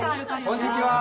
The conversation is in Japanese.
こんにちは！